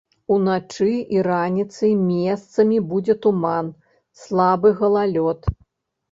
Уначы і раніцай месцамі будзе туман, слабы галалёд.